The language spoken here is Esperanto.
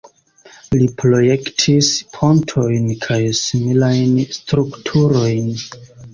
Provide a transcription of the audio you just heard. Li projektis pontojn kaj similajn strukturojn.